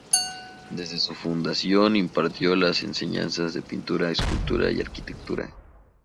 Desde su fundación impartió las enseñanzas de Pintura, Escultura y Arquitectura.